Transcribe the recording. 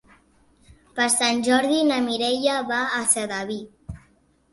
Per Sant Jordi na Mireia va a Sedaví.